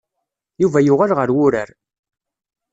Yuba yuɣal ɣer urar.